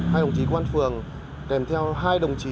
hai đồng chí công an phường kèm theo hai đồng chí